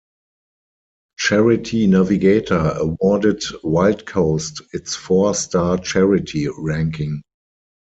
Charity Navigator awarded Wildcoast its four-star charity ranking.